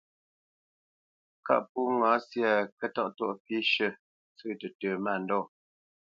Kâʼ pó ŋǎ syâ, kə́tɔ́ʼtɔ́ʼ pî shʉ̂, ntsə́ tətə mândɔ̂,